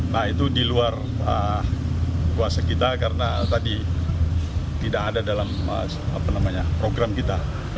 nah itu di luar kuasa kita karena tadi tidak ada dalam program kita